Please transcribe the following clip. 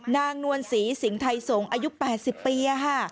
นวลศรีสิงห์ไทยสงศ์อายุ๘๐ปี